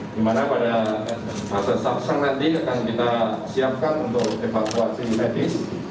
di mana pada fase subsan nanti akan kita siapkan untuk evakuasi medis